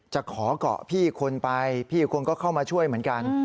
จะขอเกาะพี่คนไปพี่อีกคนก็เข้ามาช่วยเหมือนกัน